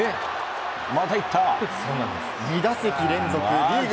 ２打席連続リーグ